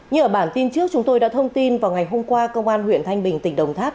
như ở bản tin trước chúng tôi đã thông tin vào ngày hôm qua công an huyện thanh bình tỉnh đồng tháp